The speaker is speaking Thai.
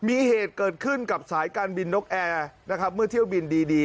มีเหตุเกิดขึ้นกับสายการบินนกแอร์นะครับเมื่อเที่ยวบินดีดี